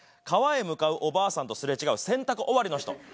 川へ向かうおばあさんと擦れ違う洗濯終わりの人。